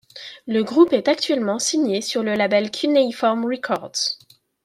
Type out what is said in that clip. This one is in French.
Le groupe est actuellement signé sur le label Cuneiform Records.